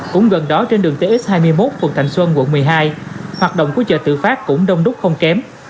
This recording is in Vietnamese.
cũng gần đó trên đường tx hai mươi một phường thành xuân quận một mươi hai hoạt động của chợ tự phát cũng đông đúc không kém